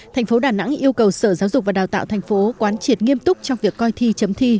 thành phố đà nẵng yêu cầu sở giáo dục và đào tạo thành phố quán triệt nghiêm túc trong việc coi thi chấm thi